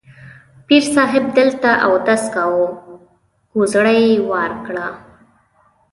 پیر صاحب دلته اودس کاوه، کوزړۍ یې وار کړه.